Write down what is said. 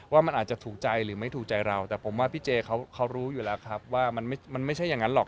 ว่ามันอาจจะถูกใจหรือไม่ถูกใจเราแต่ผมว่าพี่เจเขารู้อยู่แล้วครับว่ามันไม่ใช่อย่างนั้นหรอก